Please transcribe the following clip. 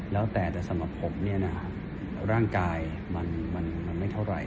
แล้วแต่สำหรับผมร่างกายมันไม่เท่าไร